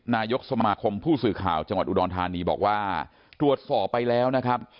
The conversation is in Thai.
นายกสมาคมผู้สื่อข่าวจังหวัดอุดรธานีบอกว่าตรวจสอบไปแล้วนะครับ